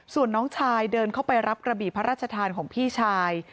ส่วนน้องชายเดินเข้าไปรับกระบี่พระราชทานของพี่ชาย